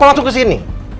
papa langsung kesini